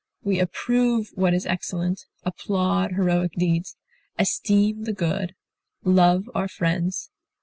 We approve what is excellent, applaud heroic deeds, esteem the good, love our friends.